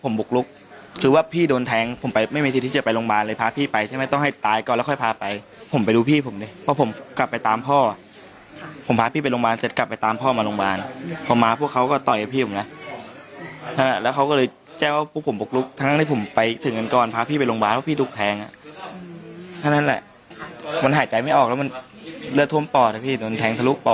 มันหายใจไม่ออกแล้วมันเลือดท่วมป่อนอ่ะพี่โดนแท้งทะลุกป่อนอ่ะ